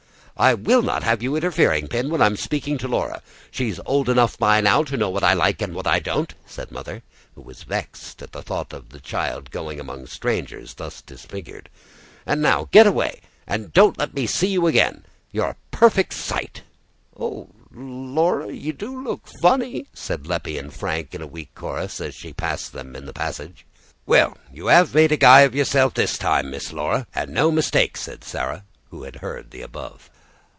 "I WILL not have you interfering, Pin, when I'm speaking to Laura. She's old enough by now to know what I like and what I don't," said Mother, who was vexed at the thought of the child going among strangers thus disfigured. "And now get away, and don't let me see you again. You're a perfect sight." "Oh, Laura, you do look funny!" said Leppie and Frank in weak chorus, as she passed them in the passage. "Well, you 'ave made a guy of yourself this time, Miss Laura, and no mistake!" said Sarah, who had heard the above.